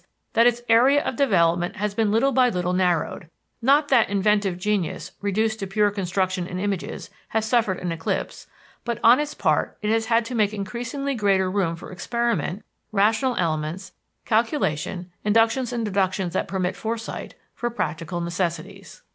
that its area of development has been little by little narrowed; not that inventive genius, reduced to pure construction in images, has suffered an eclipse, but on its part it has had to make increasingly greater room for experiment, rational elements, calculation, inductions and deductions that permit foresight for practical necessities.